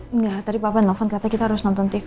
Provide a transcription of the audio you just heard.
enggak tadi papa nonton katanya kita harus nonton tv